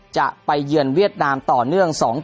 จะไปเยือนเวียดนามต่อเนื่อง๒เกมแห่งความมันนะครับ